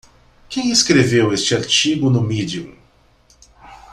Quem escreveu este artigo no Medium?